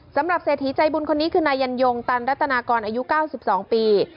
เศรษฐีใจบุญคนนี้คือนายยันยงตันรัตนากรอายุ๙๒ปี